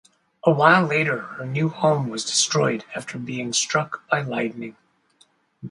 A while later her new home was destroyed after being struck by lightning.